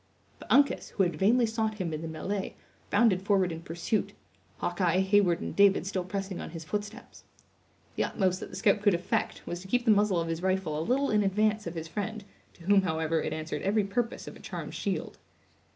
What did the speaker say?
But Uncas, who had vainly sought him in the melee, bounded forward in pursuit; Hawkeye, Heyward and David still pressing on his footsteps. The utmost that the scout could effect, was to keep the muzzle of his rifle a little in advance of his friend, to whom, however, it answered every purpose of a charmed shield.